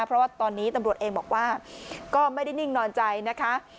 เพราะว่าตอนนี้ตำรวจเองบอกว่าก็ไม่ได้นิ่งนอนใจนะคะ